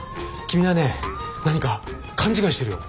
君はね何か勘違いしてるよ。